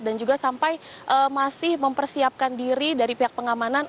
dan juga sampai masih mempersiapkan diri dari pihak pengamanan